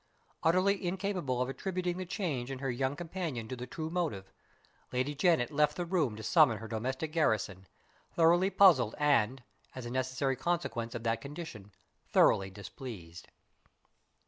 Utterly incapable of attributing the change in her young companion to the true motive, Lady Janet left the room to summon her domestic garrison, thoroughly puzzled and (as a necessary consequence of that condition) thoroughly displeased.